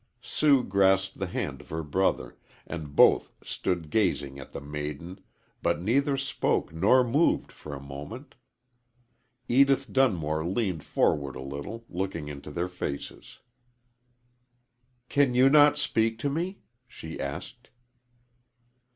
Sue grasped the hand of her brother, and both stood gazing at the maiden, but neither spoke nor moved for a moment. Edith Dun more leaned forward a little, looking into their faces. "Can you not speak to me?" she asked.